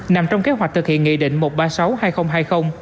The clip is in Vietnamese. nằm trong kế hoạch thực hiện nghị định một trăm ba mươi sáu hai nghìn hai mươi